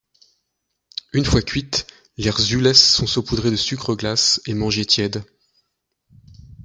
Une fois cuites, les rzules sont saupoudrées de sucre glace et mangées tièdes.